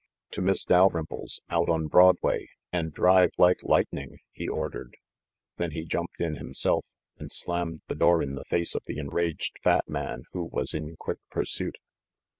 "To Miss Dalrymple's, out on Broadway, and drive like lightning!" he ordered. Then he jumped in him self, and slammed the door in the face of the enraged fat man who was in quick pursuit.